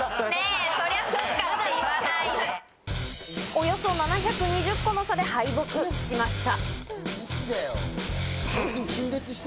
およそ７２０個の差で敗北しました。